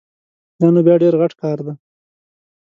دا نو بیا ډېر غټ کار ده